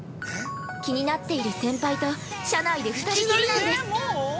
気になっている先輩と車内で２人きりなんです。